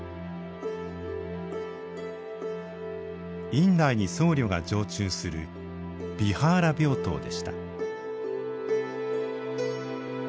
院内に僧侶が常駐するビハーラ病棟でした。